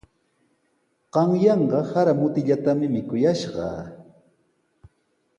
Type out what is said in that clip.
Qanyanqa sara mutillatami mikuyashqaa.